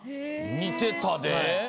似てたで。